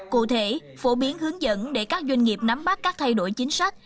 cụ thể phổ biến hướng dẫn để các doanh nghiệp nắm bắt các thay đổi chính sách